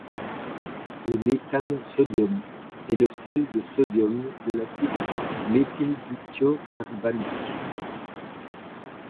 Le métham sodium est le sel de sodium de l'acide méthyldithiocarbamique.